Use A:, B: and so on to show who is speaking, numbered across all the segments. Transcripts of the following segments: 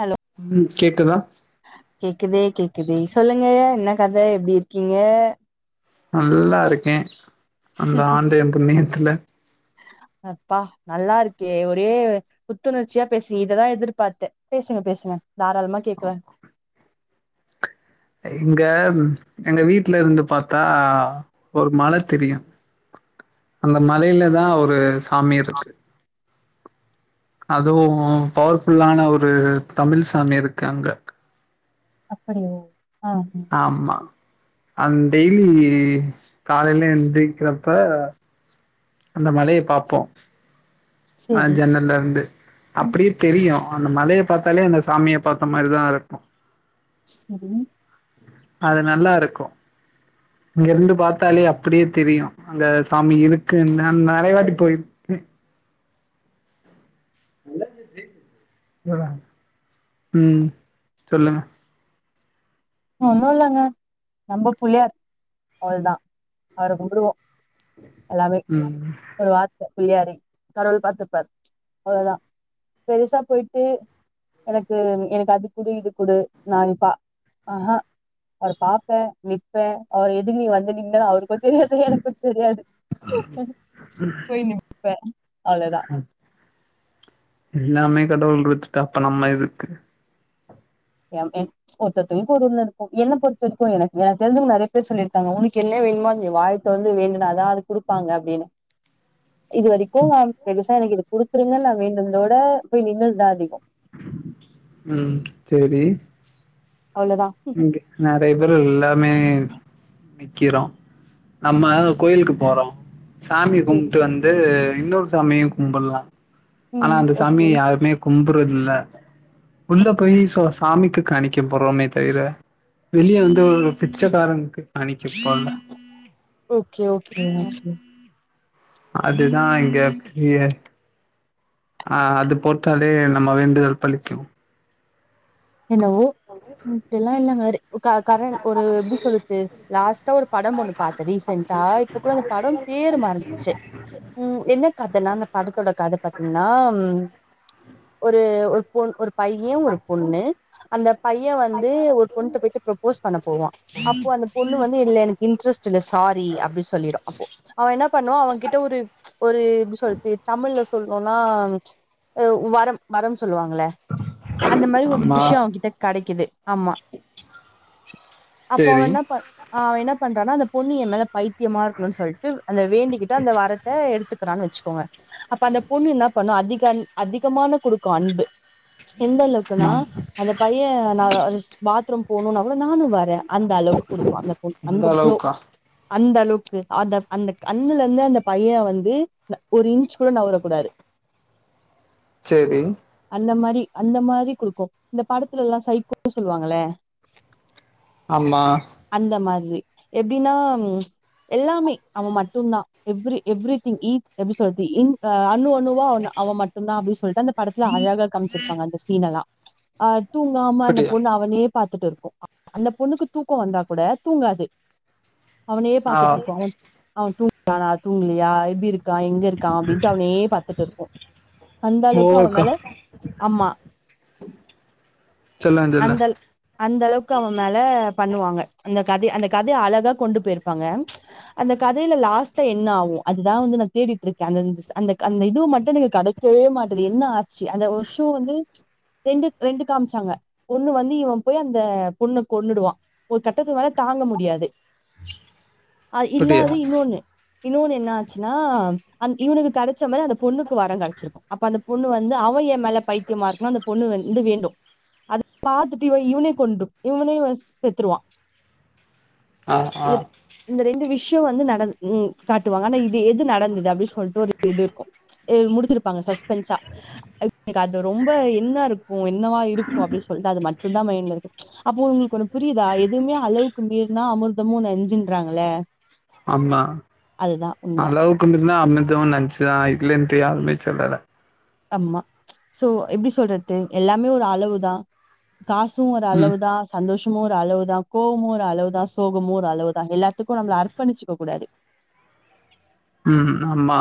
A: Hello
B: ம்ம்ய் கேக்குதா
A: கேக்குதே கேக்குதே சொல்லுங்கய என்ன கத எப்டி இருக்கீங்க
B: நல்லா இருக்கேன் அந்த ஆண்டவன் புண்ணியத்துல
A: அப்பா நல்லா இருக்கே ஒரே புத்துணர்ச்சியா பேசு இததா எதுர்பாத்தே பேசுங்க பேசுங்க தாராளமா கேக்குற
B: இங்க எங்க வீட்லருந்து பாத்தா ஒரு மலை தெரியு அந்த மலையிலதா ஒரு ஆமிருக்கு அதுவு பவர்ஃபுல்லான ஒரு தமிழ் சாமி இருக்கு அங்க
A: அப்படியா
B: ஆமா அந் டெய்லி காலயில எந்த்ரிக்கறப்ப அந்த மலய பாப்போம் அஹ்
A: செரி
B: ஜன்னல்லருந்து
A: ம்
B: அப்டியே தெரியு ஆனு மலய பாத்தாலே அந்த சாமிய பாத்த மாரிதா இருக்கு
A: சேரி
B: அத நல்லாருக்கும் இங்கருந்து பாத்தாலே அப்டியே தெரியு அங்க சாமி இருக்குன்னா நா நறய வாட்டி போய் நல்ல இருந்துச்சு உம் சொல்லுங்க
A: ஒன்னுல்லங்க நம்ப புள்யார் அவ்ளதான் அவர கும்புடுவோம் எல்லமே
B: ம்
A: ஒருவா புள்ளியாரி கடவுள் பாத்துப்பார் அவ்ளதா பெருசா போயிட்டு எனக்கு எனக்கு அது குடு இது குடு நானிப்பா ஆஹா அவர பாப்பே நிப்பே அவர எதுக்நீ வந்து நின்னா அவரு இப்ப தெரியாது தெரியாது எனக்கு தெரியாது போய் நிப்ப அவ்ளதான்
B: எல்லாமே கடவுள் வச்சுட்டா அப்ப நம்ம எதுக்கு
A: எனமே ஒருத்ததங்களுக் ஒருஒரு மாரிருக்கு என்ன பொறுத்தரிக்கு எனக் எனக்தெரிஞ்சவங் நறய பேர் சொல்லிருக்காங்க உனக் எல்ல வேண்மோ நீ வாய தொறந்து வேண்டுனா அதா அது குடுப்பாங்க அப்டினு இது வரிக்கு நான் பெருச எதும் குடுத்துருங்க நா வேண்டுதோட போய் நின்னதுதான் அதிகம்
B: உம் சேரி
A: அவ்ளோதான்
B: இங்க நரய பேருல்லாமே நிக்கிறோம் நம்ம கோயிலுக்கு போறோம் சாமி
A: சரி
B: கும்பிட்டு வந்து இன்னொரு சாமியும் கும்பிடலாம் ஆனா
A: ம்
B: அந்த
A: ஓகே
B: சாமிய யாருமே கும் புருஞ்சதல்ல உள்ள
A: ஓகே
B: போய் சோ சாமிக்கு கானிக்க போறோம் மெத் செய்ற வெளிய வந்து ஒரு பிச்சைக்காரனுக்கு காணிக்க போல
A: ஓகே ஓகே ஓகே
B: அதுதான் இங்க பிரீய ஆஹ் அது போட்டாலே நம்ம வேண்டுதல் பளிக்கு
A: என்னவோ இப்பல்லாம் உட்கார ஒரு எப்படி சொல்றது லாஸ்ட்டா ஒரு படம் ஒண்ணு பாரத்தன் ரீசென்டா இப்ப கூட அந்த படம் பேர் மறந்துச்சு உஹம் என்ன கதன்னா அந்த படத்தோட கதை பாத்தீங்கன்னா உ ஒரு ஒரு பொண் ஒரு பைய ஒரு பொண் அந்த பையன் வந்து ஒரு பொண்ணுகிட்ட போயிட்டு ப்ரப்போஸ் பண்ண போவான் அப்போ அந்த பொண்ணு வந்து இல்ல எனக்கு இன்ட்ரெஸ்ட் இல்ல சாரி அப்படின்னு சொல்லிடும் அப்போ அவன் என்ன பண்ணுவான் அவன் கிட்ட ஒரு ஒரு எப்டி சொல்லறது தமிழ்ல சொல்லும்னா வரம் வரம் சொல்லுவாங்கள அந்த மாதிரி ஒரு
B: அம்மா
A: விஷிய அவங்க கிட்ட கடைக் இது ஆமா அப்ப
B: சேரி
A: அவன் என்ன பண் அவ என்ன பண்றானா அந்த பொண்ணு என் மேல பைத்தியமா இருக்கணும்னு சொல்டு அந்த வேண்டிக்கிட்ட அந்த வரத்தை எடுத்து கத்துக்கறான்னு வச்சுக்கோங்க அப்ப அந்த பொண்ணு என்ன பண்ணும் அதிக அதிகமானகொடுக்கும் அன்பு எந்த
B: அம்மா
A: அளவுக்குனா அந்த பையன் நா பாத் போனும் அவளும் நானும் வரேன் அந்த அளவுக்கு குடுப்பான் அந்த பொண் அந்தளோ அந்த அளவுக்கு அந்த அந்த கண்ணுல இருந்து அந்த பையன் வந்து ஒரு இன்ச் கூட நகறக்க கூடாது
B: சரி
A: அந்த மாதிரி அந்த மாதிரி கொடுப்போம் அந்த படத்துல எல்லாம் சைகோ சொல்லுவாங்களே
B: ஆமா
A: எப்படின்னா எல்லாமே அவன் மட்டும்தான் எவ்ரி எவ்ரி திங் இ எப்படி சொல்றது இன் அவன் மட்டும்தான் அப்படின்னு சொல்லிட்டு அந்த படத்துல அழகா காமிச்சிருப்பாங்க அந்த சீன் எல்லாம் ஆட் [inaudible] தூங்காம அந்த
B: இப்படியா
A: பொண்ணு அவனே பத்துட்டு இருக்கு அந்த பொண்ணுக்கு தூக்கு வந்தா கூட தூங்காது அவனையே
B: ஆ
A: பாத்துட்டுருக்கு ஒன் அவ துங் தூங்கலியா எப்படி இருக்கா எங்க இருக்கா அப்டின்ட்டு அவனே பாத்துட்டுருக்கு அந்த அளவுக்கு அவ
B: ஓவர்க்கா
A: மேல அம்மா
B: சொல்ல சொல்ல [unintelligible]
A: அந்த அளவுக்கு அவ மேல பண்ணுவாங்க அந்த கதை அந்த கதையை அழகா கொண்டு போயிருப்பாங்க அந்த கதையில லாஸ்ட்டா என்ன ஆகும் அதுதான் வந்து நான் தேடிட்டு இருக்கேன் அந்தந்த அந்த அந்த இது மட்டும் நீங்கு கிடைக்கவே மாட்டது என்ன ஆச்சு அந்த ஒரு சூ வந்து ரெண்டு காமிச்சாங்க ஒண்ணு வந்து இவன் போய் அந்த பொண்ணு கொன்னுடுவான். ஒரு கட்டத்துக்கு மேல தாங்க முடியாது இல்ல
B: இப்படியா
A: அது இன்னொன்னு இன்னொன்னு என்ன ஆச்சுன்னா இவனுக்கு கிடைச்ச மாரி அந்த பொண்ணுக்கு வரம் கிடைச்சிருக்கு அப்ப அந்த பொண்ணு வந்து அவ எப் மேல பைத்தியமா இருபா அந் வந்து வேண்டு அதை பாத்துட்டு இவ இவன் இவன கொண்ருவ இவனஇவ செத்துருவா
B: ஆ ஆ
A: இந்த ரெண்டு விசயஸ் ங்வந்து நடந்தா காட்டுவாங்க ஆனா இது எது நடந்தது அப்டின்னு சொல்லிட்டு ஒரு இது இருக்கும் முடிசிருப்பாங்க ஸ்பென்ஸ த் அது ரொம்ப இன்ன இருக்கு என்னவா இருக்கு அப்டின்னு சொல்லிட்டு அது மட்டு தான் மைன்ல இருக்கு அப்போ உங்களுக்குண்ணு புரியுதா எதுவுமே அளவுக்கு மிறனா அமர்த் என்னமோ நெஞ்சுங்குறாங்களே
B: ஆமா
A: உண்மை
B: அளவுக்குமிர்னா அமிர்து நஞ்சா இல்லன்றியே யாருமே சொல்லல
A: ஆமா சோ எப்டி சொல்றது எல்லாமே ஒரு அளவுதான் காசும் ஒரு
B: ம்
A: அளவுதா சந்தோஷமு ஓரளவுதான் கோவமு ஒரளவு தான் சோகமோ ஓரளவுதான் எல்லாத்துக்கு நம்மல அர்பணிச்சுக்க கூடாது
B: உம் ஆமா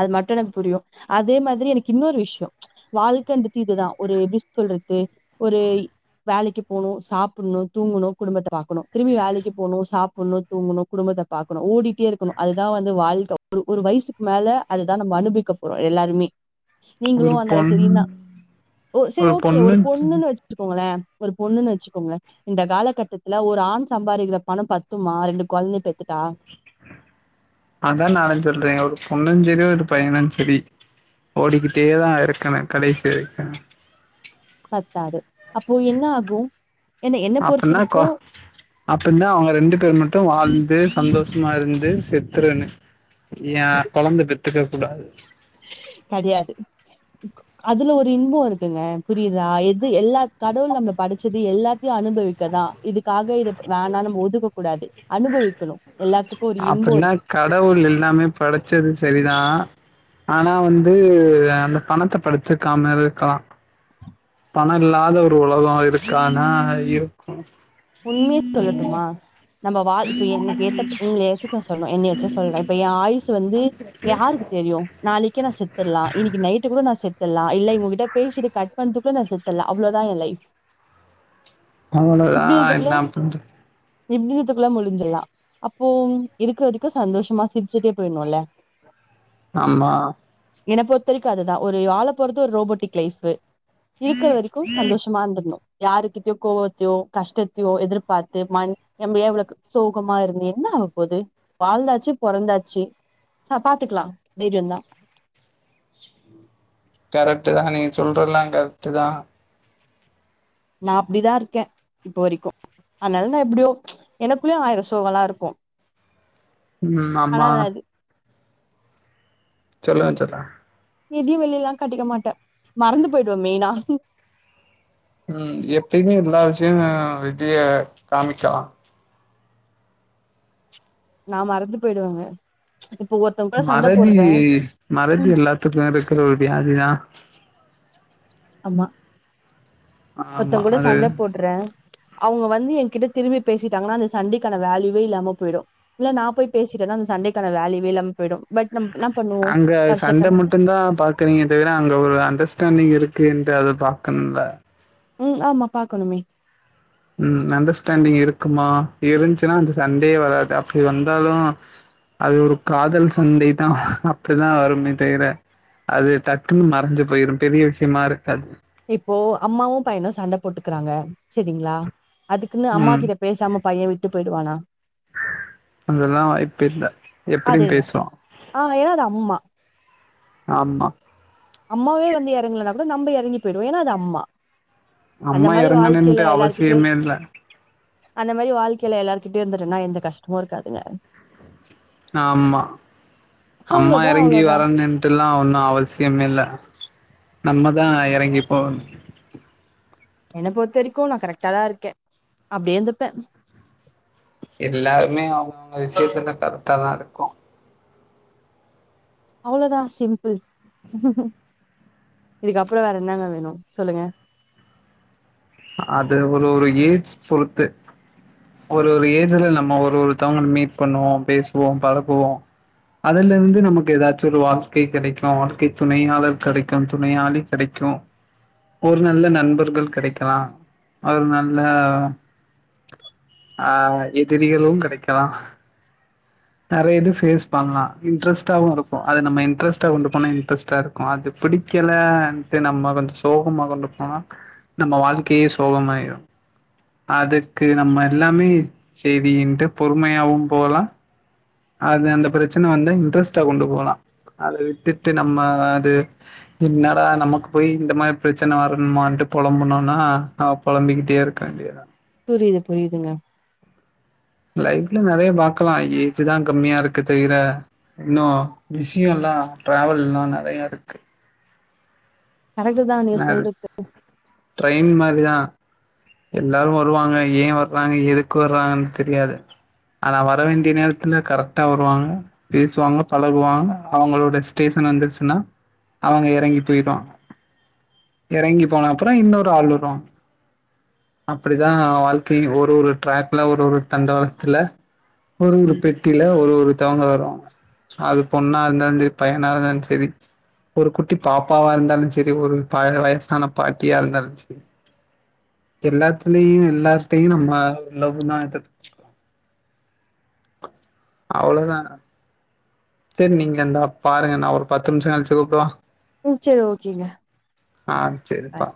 A: அது மட்டுனு புரியு அதே மாதிரி எனக்கு இன்னொரு விஷயம் வாழ்க்கன்றது இதுதான் ஒரு எப் சொல்றது ஒரு வேலைக்கு போணும் சாப்பிடணு தூங்கணு குடும்பத்த பாக்கணு திரும்பி வேலைக்கு போணு சாப்பிட்ணு தூங்கணு குடும்பத்த பாக்கணு ஓடி இருக்கும் அதுதான் வந்து வாழ்க்க ஒரு ஒரு வயசுக்கு மேல அதுதான் நம்ம அனுவிக்க போறோம் எல்லாருமே
B: ஒரு
A: நீங்களும் அந்தா
B: பொண்
A: செரினா ஒகே சரி ஓகே ஒரு பொண்ணுன்னு வச்சக்கோங்களேன் ஒரு பொண்ணுனு வெச்சுக்கோங்கலே இந்த காலகட்டத்துல ஒரு ஆண் சம்பாதிக்கிற பணம் பத்துமா ரெண்டு குழந்தை பெத்
B: அதா நானு சொல்றே ஒரு பொண் பொண்ணு செரி ஒரு பயனும் சரி ஓடிக்கிட்டேதான் இருக்கணும் கடைசிவரிக்கும்
A: பாடு பொறுத்த வரைக்கு
B: அப்படின்னா அவங்க ரெண்டு பேர் மட்டும் வாழ்ந்து சந்தோஷமா இருந்து செத்துருன்னும் யான் குழந்த பெத் பெத்துக்ககூடாது
A: கிடையாது அதுல ஒரு இன்பம் இருக்குங்க புரியுதா எது எல்லா கடவுள் நம்ம படிச்சது எல்லாத்தையும் அனுபவிக்கதான் இதுக்காக இதை வேணாம் நம்ம ஒதுக்க கூடாது அனுபவிக்கணும்
B: அப்டின்னா கடவுள் எல்லாமே படச்சது சரிதான் ஆனா வந்து அந்த பணத்தை படிச்சிருக்காமி இருக்கலாம் பண இல்லாத ஒரு உலகம் இருக்க ஆனா இருக்கும்
A: உண்மையே சொல்லட்டுமா நம்ம வா இப்ப எனக்கு ஏத்த உங்களை ஏச்ச நான் சொல்லறன் என்னை வச்சும் சொல்றேன் இப்ப என் ஆயுசு வந்து யாருக்கு தெரியும் நாளைக்கே நான் செத்துடலாம் இன்னைக்கு நைட்டு கூட நான் செத்து சத்தலாம் இல்ல இங்ககிட்ட பேசடி கட் பண்ணுக்குள்ள நான் செத்தலாம் அவ்வளவுதான் என் லைஃப்
B: அவ்வளவுதான் என்ன பண்றது
A: இபத்துக்குள்ள முடிஞ்சலாம் அப்போ இருக்க வரைக்கும் சந்தோஷமா சிரிச்சுட்டே போயிடணும்ல
B: ஆமா
A: என்ன பொறுத்த வரைக்கும் அதுதான் ஒரு ஆளை போறது ஒரு ரோபோட்டிக் லைஃப் இருக்கிற வரைக்கும் சந்தோஷமா இருந்தணும் யார கிட்டக்கோவத்தோயோ கஷ்டத்தையோ எதிர்பார்த்து மண் எம எவ்ளவு சோகமா இருந்து என்ன ஆக போது வாழ்ந்தாச்சு பிறந்தாச்சு சோ பாத்துக்கலாம் தைரியம்தான்
B: கரெக்ட் தான் நீங்க சொல்றல்லாம் கரெக்ட் தான்
A: நான் அப்படிதான் இருக்கேன் இப்போ வரைக்கும் அதனால நான் எப்படியோ எனக்குள்ளயும் ஆயிரம் சோகம் இருக்கும்
B: உம்
A: ஆனா
B: ஆமா
A: நான் அது
B: சொல்லான் சொல்டா
A: எதியும் வெளிய எல்லாம் கட்டிக்க மாட்டேன் மறந்து போயிடுவன் மெயினா
B: உஹம் எப்பயுமே எல்லா விஷயும் வெளிய காமிக்கலாம்
A: நான் மறந்து போயிடுவாங்க
B: மறதி மறதி
A: ம்
B: எல்லாத்துக்கும் இருக்குற ஒரு வியாதிதான்
A: ஆமா
B: ஆமா
A: மத்தங்க கூட
B: அது
A: சண்டை போடுறேன் அவங்க வந்து என்கிட்ட திரும்பி பேசிட்டாங்கன்னா அந்த சண்டைக்கான வேயுவவே இல்லாமல் போயிடும் இல்லை நான் போய் பேசிட்டேன்னா அந்த சண்டைக்கான வேல்யூவே இல்லாமல் போயிடும் பட் நம்ம என்ன பண்ணுவோம்
B: அங்க சண்டை
A: வருஷக்கணக்கு
B: மட்டும் தான் பாக்குறீங்க தவிர அங்க ஒரு அண்டர்ஸ்டாண்டிங் இருக்கு அது பாக்கனும்லா
A: உம் ஆமா பார்க்கணுமே
B: உஹம் அண்டர்ஸ்டாண்டிங் இருக்குமா இருந்துசுன்னா அந்த சண்டையே வராது அப்படி வந்தாலும் அது ஒரு காதல் சண்டை தான் அப்படிதான் வருமே தவிர அது டக்குன்னு மறைஞ்சு போயிரும் பெரிய விஷயமா இருக்காது
A: இப்போ அம்மாவும் பையனும் சண்டை போட்டுக்கறாங்க சரிங்களா அதுக்குன்னு அம்மா கிட்ட பேசாம பையன் விட்டு போயிடுவானா
B: அதெல்லாம் வாய்ப்பு இல் எப்படியும்
A: அதேதான்
B: பேசுவான்
A: ஆ ஏன்னா அது அம்மா
B: ஆமா
A: அம்மாவே வந்து இறங்கலனா கூட நம்ம இறங்கி போயிடுவோம் ஏன்னா அது அம்மா அந்த
B: அம்மா
A: மாதிரி வாழ்க்கையில
B: இறங்கணும்ன்ட்டு
A: எல்லார்கிட்டயும்
B: அவசியமே இல்ல
A: அந்த மாதிரி வாழ்க்கையில எல்லாருகிட்டே இருந்துட்டேன்னா எந்த கஷ்டமும் இருக்காதுங்க
B: ஆமா அம்மா
A: அவ்வளவுதான்
B: இறங்கி
A: அவ்வளவுதான்
B: வரணுன்ட்டு எல்லாம் ஒன்னும் அவசியம் இல்ல நம்மதான் இறங்கி போகணும்
A: என்ன பொறுத்த வரைக்கும் நான் கரெக்டாதான் இருக்கேன் அப்படியே இருந்துப்பேன்
B: எல்லாருமே அவங்க அவங்க விஷயத்துல கரெக்ட தான் இருக்கும்
A: அவ்ளோதான் சிம்பிள் இதுக்கப்புறம் வேற என்னங்க வேணும் சொல்லுங்க
B: அது ஒரு ஒரு ஏஜ் பொறுத்து ஒரு ஒரு ஏஜ்ல நம்ம ஒரு ஒருத்தவங்க மீட் பண்ணுவோம் பேசுவோம் பழகுவோம் அதுல இருந்து நமக்கு ஏதாச்சும் ஒரு வாழ்க்கை கிடைக்கும் வாழ்க்கை துணையாளர் கிடைக்கும் துணையாளி கிடைக்கும் ஒரு நல்ல நண்பர்கள் கிடைக்கும் கக்கலாம் ஒரு நல்ல எதிரிகளும் கிடைக்கலாம் நைய இது பேஸ் பண்ணலாம் இன்ட்ரெஸ்ட்டாவவும் இருக்கும் அதது நம்ம இன்ட்ரெஸ்ட்டா கொண்டு போனா இன்ட்ரெஸ்ட்டா இருக்கும் அது பிடிக்கலட்டு நம்ம கொஞ்சம் சோகமா கொண்டு போனா நம்ம வாழ்க்கையே சோகமாயிடும் அதுக்கு நம்ம எல்லாமே செய்தட்டு பொறுமை யாவும் போல அது அந்த பிரச்சனை வந்து இன்ட்ரெஸ்டா கொண்டு போலாம் அதை விட்டுட்டு நம்ம அது என்னடா நமக்கு போய் இந்த மாதிரி பிரச்சனை வரணுமட்டு புழம்புனும்னா அவ புழம்பிக்கிட்டே இருக்க வேண்டியதான்
A: புரியுது புரியுதுங்க
B: லைஃப்ல நிறைய பார்க்கலாம் ஏஜ் தான் கம்மியா இருக்கு தவிர இன்னும் பிஸியும் எல்லாம் டிராவல் எல்லாம் நிறைய இருக்கு
A: கரெக்ட்டு தா நீங்க
B: ந
A: சொல்றது
B: டிரைன் மாதிரிதான் எல்லாரும் வருவாங்க ஏன் வர்றாங்க எதுக்கு வர்றாங்கன்னு தெரியாது ஆனா வர வேண்டிய நேரத்துல கரெக்டா வருவாங்க பேசுவாங்க பழகுவாங்க அவங்களோட ஸ்டேஷன் வந்துருச்சுன்னா அவங்க இறங்கி போயிடவாங்க இறங்கி போன அப்புறம் இன்னொரு ஆளு வரம் அப்படிதான் வாழ்க்கை ஒரு ஒரு டிர்ல ஒரு ஒரு தண்டவளத்துல ஒரு ஒரு பெட்டில ஒரு ஒரு தவங்க வருவாங்க அது பொண்ணா இருந்தாலும் சரி பையனா இருந்தாலும் சரி ஒரு குட்டி பாப்பாவா இருந்தாலும் சரி ஒரு வயசான பாட்டியா இருந்தாலும் சரி எல்லாத்துலயும் எல்லாத்தையும் நம்ம உவுதான் இம் அவ்வளவுதான் சரி நீங்க எந்தா பாருங்க நான் ஒரு பத்து நிமிஷம் கழிச்சு கூப்பிடுவா
A: ம் சரி ஓகேங்க
B: ஆ செரிப்பா